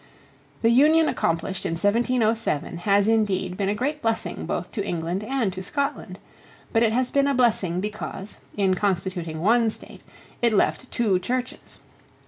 The union accomplished in 1707 has indeed been a great blessing both to England and to Scotland. But it has been a blessing because, in constituting one State, it left two Churches.